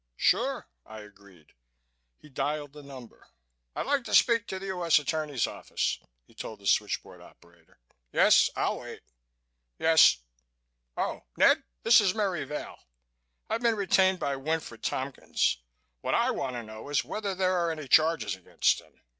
"Sure," I agreed. He dialed a number. "I'd like to speak to the U.S. Attorney's office," he told the switch board operator. "Yes, I'll wait.... Yes.... Oh, Ned?... This is Merry Vail. I've been retained by Winfred Tompkins. What I want to know is whether there are any charges against him....